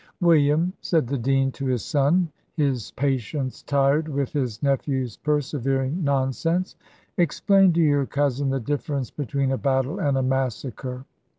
"William," said the dean to his son, his patience tired with his nephew's persevering nonsense, "explain to your cousin the difference between a battle and a massacre."